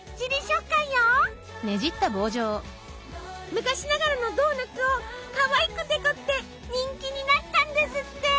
昔ながらのドーナツをかわいくデコって人気になったんですって。